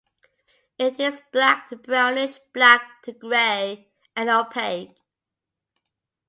It is black to brownish black to gray and opaque.